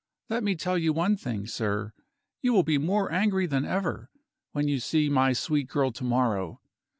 Let me tell you one thing, sir. You will be more angry than ever, when you see my sweet girl to morrow.